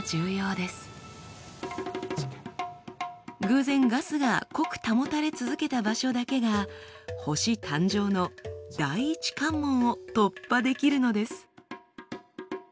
偶然ガスが濃く保たれ続けた場所だけが星誕生の第１関門を突破できるのです。